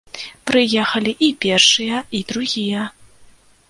Прыехалі і першыя, і другія.